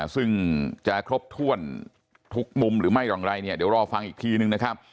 ซึ่งจะครบถ้วนทุกมุมหรือไม่อย่างไรเนี่ยเดี๋ยวรอฟังอีกทีนึงนะครับ